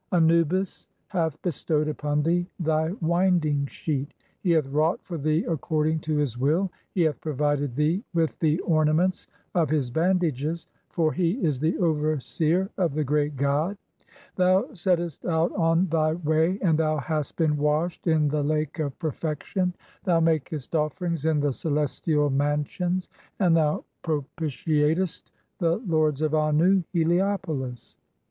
Anubis hath bestowed upon thee thy winding sheet, "he hath (40) wrought [for thee] according to his will, he "hath provided thee with the ornaments of his bandages, for "he is the overseer of the great god. Thou settest out on thy 320 THE CHAPTERS OF COMING FORTH BY DAY. "way and thou hast been washed in the Lake of Perfection ; "thou makest offerings in the celestial mansions, and thou pro "pitiatest (41) the lords of Annu (Heliopolis).